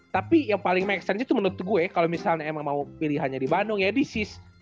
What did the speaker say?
tapi yang paling make sense itu menurut gue kalau misalnya emang mau pilihannya di bandung ya disease